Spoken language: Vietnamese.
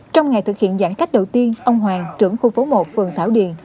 trong ngày thực hiện giãn cách đầu tiên ông hoàng trưởng khu phố một phường thảo điền